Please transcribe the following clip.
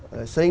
rồi sử dụng